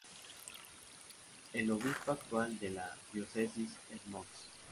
El obispo actual de la diócesis es Mons.